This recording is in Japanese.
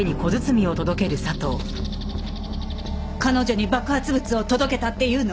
彼女に爆発物を届けたっていうの？